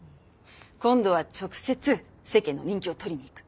今度は直接世間の人気を取りに行く。